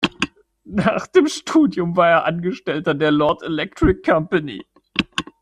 Nach dem Studium war er Angestellter der "Lord Electric Company.